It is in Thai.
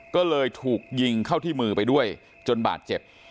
ก็เลยถูกยิงเข้าที่มือไปด้วยจนบาดเจ็บ